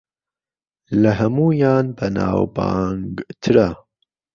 لە ھەموویان بەناوبانگترە